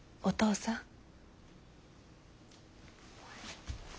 お父さん。